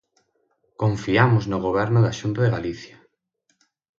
Confiamos no Goberno da Xunta de Galicia.